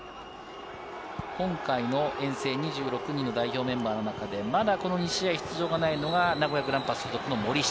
今回の遠征２６人の代表メンバーの中でまだこの２試合、出場がないのが、名古屋グランパス所属の森下。